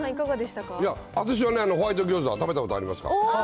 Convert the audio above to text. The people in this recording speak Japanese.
いや、私はね、ホワイト餃子食べたことありますから。